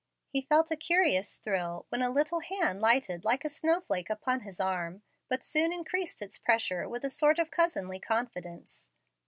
He felt a curious thrill when a little hand lighted, like a snow flake, upon his arm, but soon increased its pressure with a sort of cousinly confidence.